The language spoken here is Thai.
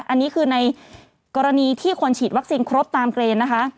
อันนี้คือในกรณีที่คนฉีดวัคซีนครบตามเกณฑ์นะคะ